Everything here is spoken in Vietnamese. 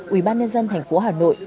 ubnd tp hà nội